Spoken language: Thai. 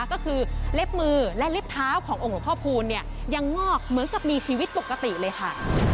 ก็คือเล็บมือและเล็บเท้าขององค์หลวงพ่อพูนเนี่ยยังงอกเหมือนกับมีชีวิตปกติเลยค่ะ